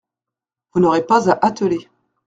Vous n’aurez pas à atteler.